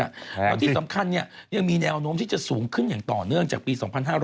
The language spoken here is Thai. แล้วที่สำคัญยังมีแนวโน้มที่จะสูงขึ้นอย่างต่อเนื่องจากปี๒๕๕๙